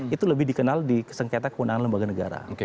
itu lebih dikenal di sengketa kewenangan lembaga negara